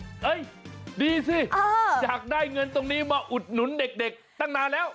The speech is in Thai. เฮ้ยดีสิอยากได้เงินตรงนี้มาอุดหนุนเด็กตั้งนานแล้ว